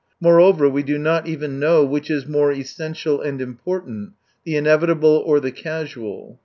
Moreover, we do not even know which is more essential and important, the inevitable or the casual.